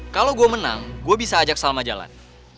kalau gue menang gue bisa ajak salma jalan